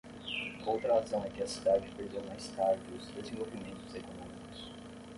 Outra razão é que a cidade perdeu mais tarde os desenvolvimentos econômicos.